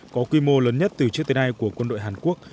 có quy mô lớn nhất từ trước tới nay của quân đội hàn quốc